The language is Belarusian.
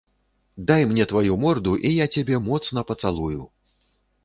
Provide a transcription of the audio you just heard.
Дай мне тваю морду, і я цябе моцна пацалую.